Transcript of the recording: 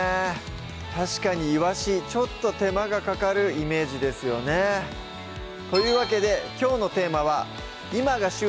確かにいわしちょっと手間がかかるイメージですよねというわけできょうのテーマは「今が旬！